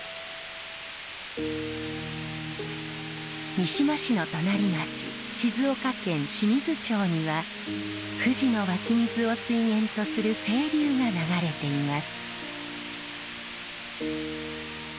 三島市の隣町静岡県清水町には富士の湧き水を水源とする清流が流れています。